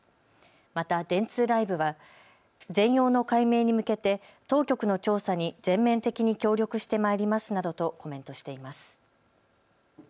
また電通ライブは、全容の解明に向けて当局の調査に全面的に協力してまいりますなどとコメントしています。